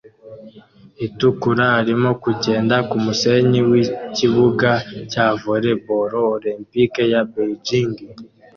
itukura arimo kugenda kumusenyi wikibuga cya volley ball olempike ya Beijing